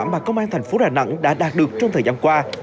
mà công an tp đà nẵng đã đạt được trong thời gian qua